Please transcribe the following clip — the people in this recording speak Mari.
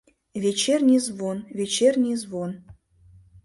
«Вечерний звон, вечерний звон.